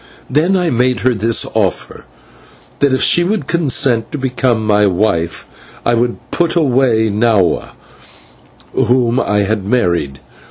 Then I made her this offer: That if she would consent to become my wife I would put away Nahua, whom I had married.